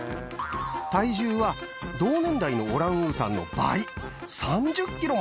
体重は同年代のオランウータンの倍。